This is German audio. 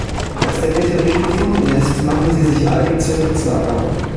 Als der Meteorit gefunden ist, machen sie sich eilig zurück ins Lager auf.